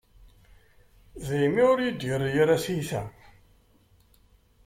Daymi ur iyi-d-yerri ara tiyita.